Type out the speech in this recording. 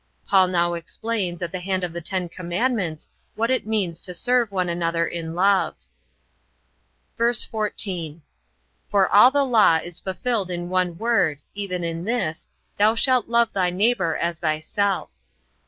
Paul now explains at the hand of the Ten Commandments what it means to serve one another in love. VERSE 14. For all the law is fulfilled in one word, even in this, thou shalt love thy neighbour as thyself.